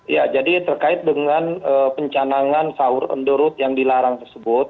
ya jadi terkait dengan pencanangan sahur on the road yang dilarang tersebut